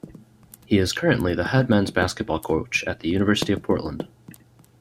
He is currently the head men's basketball coach at the University of Portland.